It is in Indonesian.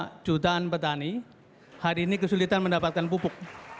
karena jutaan petani hari ini kesulitan mendapatkan pupuk